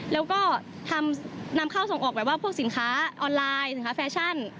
แล้วก็นำเข้าส่งออกแบบว่าพวกสินค้าออนไลน์สินค้าแฟชั่น